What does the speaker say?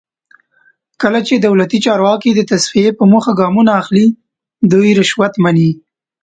کله چې دولتي چارواکي د تصفیې په موخه ګامونه اخلي دوی رشوت مني.